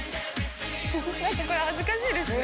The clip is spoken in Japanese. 何かこれ恥ずかしいですね。